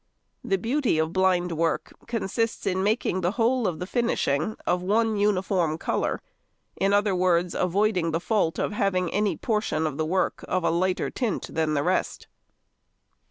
The beauty of blind work consists in making the whole of the finishing of one uniform colour, in other words, avoiding the fault of having any portion of the work of lighter tint than the rest.